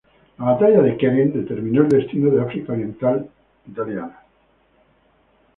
La batalla de Keren determinó el destino del África Oriental Italiana.